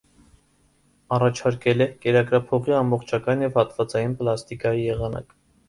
Առաջարկել է կերակրափողի ամբողջական և հատվածային պլաստիկայի եղանակ։